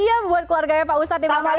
iya buat keluarganya pak ustadz di makassar